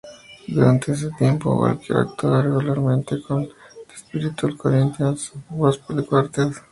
Durante este tiempo, Walker actuaba regularmente con The Spiritual Corinthians Gospel Quartet.